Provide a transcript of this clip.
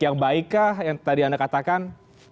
yang baik kah yang tadi anda katakan